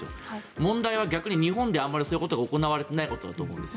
問題は逆に日本であまりそういうことが行われていないことだと思うんです。